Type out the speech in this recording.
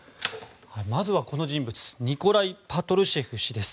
まずはこの人物ニコライ・パトルシェフ氏です。